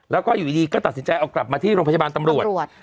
แล้วก็อยู่ดีก็ตัดสินใจเอากลับมาที่โรงพยาบาลตำรวจ